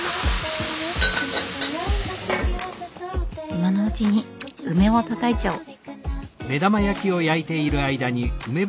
今のうちに梅をたたいちゃおう。